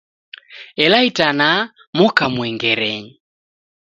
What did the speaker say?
Ela itanaha moka mwengerenyi